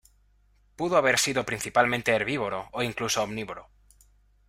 Pudo haber sido principalmente herbívoro o incluso omnívoro.